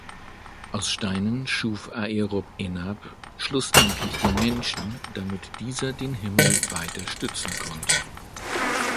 Aus Steinen schuf Areop-Enap schlussendlich den Mensch, damit dieser den Himmel weiter stützen konnte.